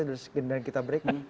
dan kita break